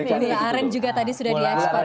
gula aren juga tadi sudah di ekspor